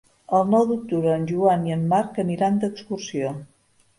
El nou d'octubre en Joan i en Marc aniran d'excursió.